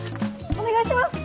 お願いします！